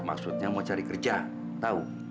maksudnya mau cari kerja tahu